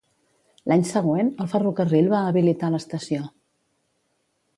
L'any següent, el ferrocarril va habilitar l'estació.